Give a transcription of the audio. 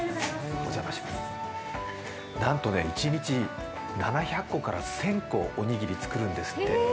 なんとね一日７００個から１０００個おにぎり作るんですって。